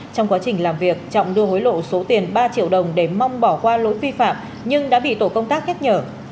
trong quá trình làm việc trọng đưa hối lộ số tiền ba triệu đồng để mong bỏ qua lỗi vi phạm nhưng đã bị tổ công tác nhắc nhở